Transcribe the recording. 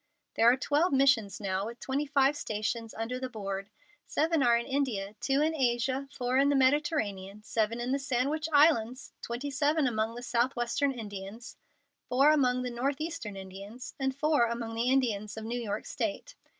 "There are twelve missions now, with fifty five stations, under the Board. Seven are in India, two in Asia, four in the Mediterranean, seven in the Sandwich Islands, twenty seven among the southwestern Indians, four among the northeastern Indians, and four among the Indians of New York State.